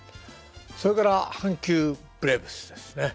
それから阪急ブレーブスですね。